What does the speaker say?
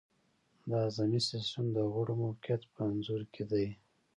د هاضمې سیستم د غړو موقیعت په انځور کې دی.